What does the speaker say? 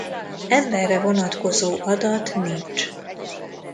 Emberre vonatkozó adat nincs.